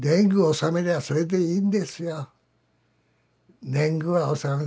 納めりゃそれでいいんです。